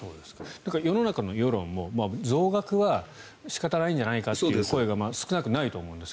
世の中の世論も、増額は仕方ないんじゃないかという声が少なくないと思うんです。